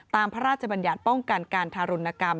พระราชบัญญัติป้องกันการทารุณกรรม